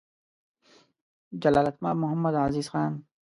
جلالتمآب محمدعزیز خان: